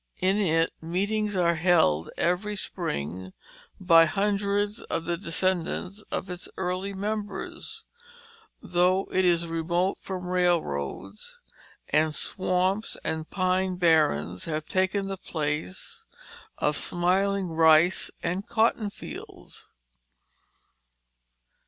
In it meetings are held every spring by hundreds of the descendants of its early members, though it is remote from railroads, and swamps and pine barrens have taken the place of smiling rice and cotton fields.